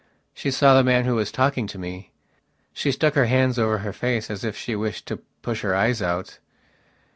She saw the man who was talking to me. She stuck her hands over her face as if she wished to push her eyes out.